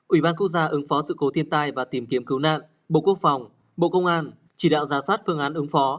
ủy ban quốc gia ứng phó sự cố thiên tai và tìm kiếm cứu nạn bộ quốc phòng bộ công an chỉ đạo giả soát phương án ứng phó